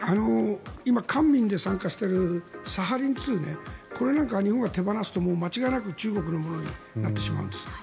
今、官民で参加しているサハリン２ねこれなんか日本が手放すと間違いなく中国のものになってしまうんです。